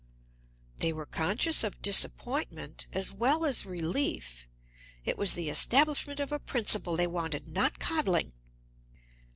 They were conscious of disappointment as well as relief; it was the establishment of a principle they wanted, not coddling.